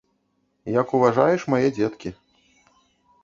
Як уважаеш, мае дзеткі.